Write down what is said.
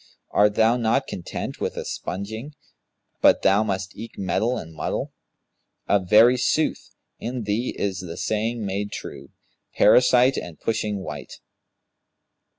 Art thou not content with sponging, but thou must eke meddle and muddle? Of very sooth, in thee is the saying made true, Parasite and pushing wight.'